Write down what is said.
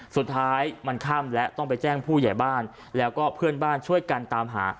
สุดท้ายมันค่ำและต้องไปแจ้งผู้ใหญ่บ้านแล้วก็เพื่อนบ้านช่วยกันตามหา